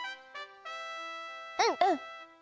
うん！